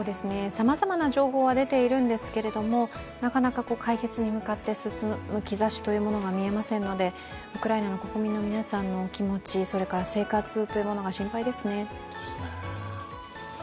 さまざまな情報は出ているってすけれどなかなか解決に向かって進む兆しというものが見えませんのでウクライナの国民の皆さんのお気持ち、それから生活というものが心配ですね。